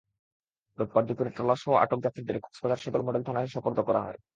রোববার দুপুরে ট্রলারসহ আটক যাত্রীদের কক্সবাজার সদর মডেল থানায় সোপর্দ করা হয়।